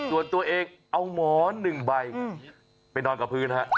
ส่วนตัวเองเอาหมอน๑ใบไปนอนกับพื้นฮะ